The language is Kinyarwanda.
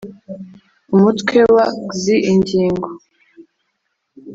Umutwe wa xi ingingo